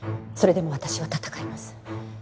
それでも私は戦います。